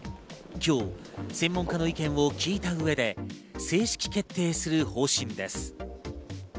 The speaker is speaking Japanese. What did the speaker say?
今日、専門家の意見を聞いた上で正式決定する方針です。